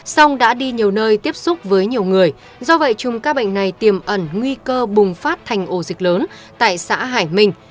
song đã đi nhiều nơi tiếp xúc với nhiều người do vậy chùm ca bệnh này tiềm ẩn nguy cơ bùng phát thành ổ dịch lớn tại xã hải minh